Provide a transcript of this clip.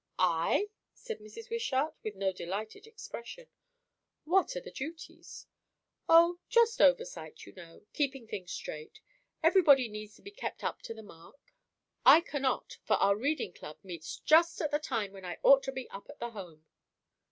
"I?" said Mrs. Wishart, with no delighted expression. "What are the duties?" "O, just oversight, you know; keeping things straight. Everybody needs to be kept up to the mark. I cannot, for our Reading Club meets just at the time when I ought to be up at the Home."